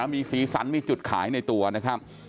มีสีสันมีจุดขายในตัวนะครับ